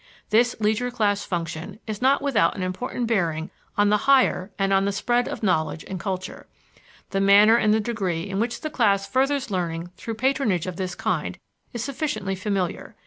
This leisure class function is not without an important bearing on the higher and on the spread of knowledge and culture. The manner and the degree in which the class furthers learning through patronage of this kind is sufficiently familiar.